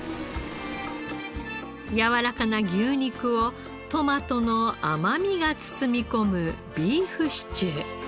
やわらかな牛肉をトマトの甘みが包み込むビーフシチュー。